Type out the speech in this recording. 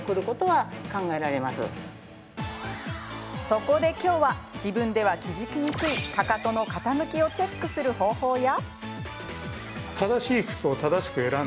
そこで、きょうは自分では気付きにくい、かかとの傾きをチェックする方法や。